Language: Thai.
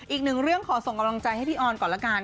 อีกหนึ่งเรื่องขอส่งกำลังใจให้พี่ออนก่อนละกัน